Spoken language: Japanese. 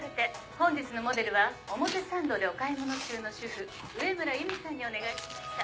本日のモデルは表参道でお買い物中の主婦上村由美さんにお願いしました。